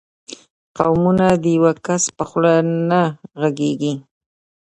قومونه د یو کس په خوله نه غږېږي.